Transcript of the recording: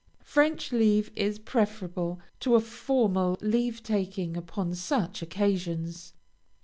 French leave is preferable to a formal leave taking upon such occasions.